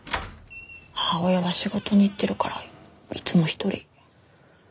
母親は仕事に行ってるからいつも一人。